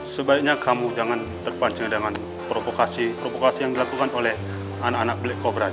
sebaiknya kamu jangan terpanjang dengan provokasi provokasi yang dilakukan oleh anak anak black cobra